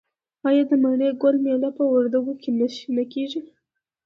آیا د مڼې ګل میله په وردګو کې نه کیږي؟